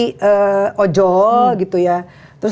ke ojo gitu ya terus